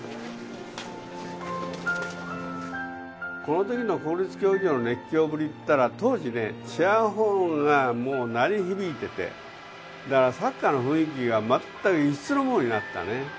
この時の国立競技場の熱狂ぶりっていったら当時ねチアホーンがもう鳴り響いててだからサッカーの雰囲気が全く異質なものになったね